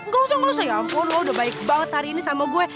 nggak usah nggak usah ya ampun lo udah baik banget hari ini sama gue